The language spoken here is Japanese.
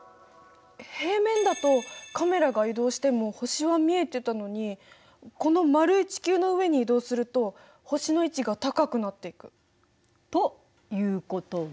平面だとカメラが移動しても星は見えてたのにこの丸い地球の上に移動すると星の位置が高くなっていく。ということは？